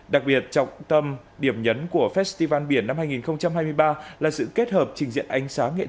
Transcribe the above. đặc biệt trọng tâm điểm nhấn của festival biển nha trang hai nghìn hai mươi ba là sự kết hợp trình diễn ánh sáng